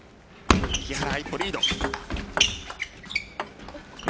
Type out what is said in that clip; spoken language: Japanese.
木原、一歩リード。